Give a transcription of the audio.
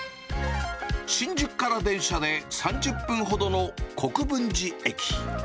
新宿から電車で３０分ほどの国分寺駅。